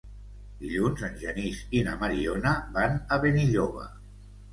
Dilluns en Genís i na Mariona van a Benilloba.